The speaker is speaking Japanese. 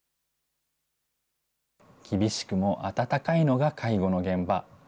厳しくも温かいのが介護の現場。